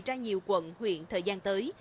ra nhiều quận huyện thời gian tới